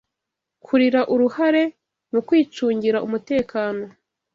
kurira uruhare mukwicungira umutekano